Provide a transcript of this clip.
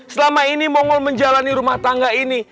selama ini monggol menjalani rumah tangga ini